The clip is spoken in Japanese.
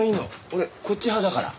俺こっち派だから。